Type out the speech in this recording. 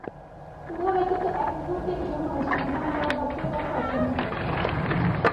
উহা ব্যতীত এক মুহূর্তের জন্যও জীবনধারণ করা ভক্তের পক্ষে অসম্ভব বোধ হয়।